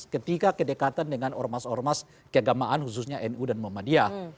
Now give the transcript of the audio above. ketika kedekatan dengan ormas ormas keagamaan khususnya nu dan muhammadiyah